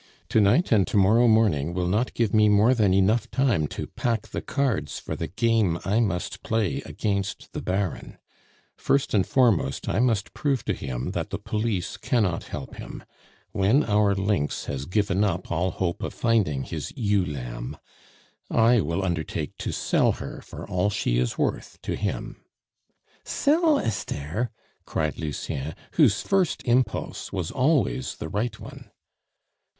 To night and to morrow morning will not give me more than enough time to pack the cards for the game I must play against the Baron; first and foremost, I must prove to him that the police cannot help him. When our lynx has given up all hope of finding his ewe lamb, I will undertake to sell her for all she is worth to him " "Sell Esther!" cried Lucien, whose first impulse was always the right one.